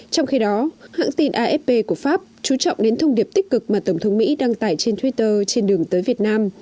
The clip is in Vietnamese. trong khi đó hãng tin afp của pháp chú trọng đến thông điệp tích cực mà tổng thống mỹ đăng tải trên twitter trên đường tới việt nam